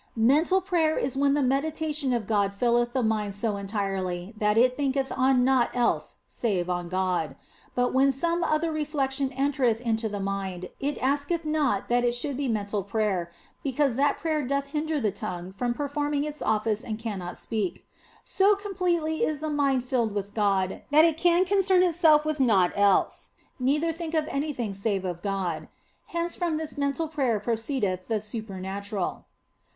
Mental prayer is when the meditation of God filleth the mind so entirely that it thinketh on naught else save on God. But when some other reflection entereth into the mind it asketh not that it should be mental prayer TOO THE BLESSED ANGELA because that prayer doth hinder the tongue from per forming its office and it cannot speak. So completely is the mind filled with God that it can concern itself with naught else, neither think of anything save of God. Hence from this mental prayer proceedeth the super natural.